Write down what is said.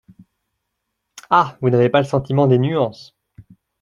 Ah ! vous n’avez pas le sentiment des nuances.